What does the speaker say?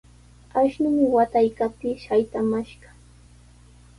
Ashnumi wataykaptii saytamashqa.